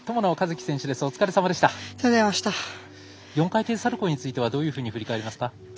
４回転サルコーについてはどう振り返りますか？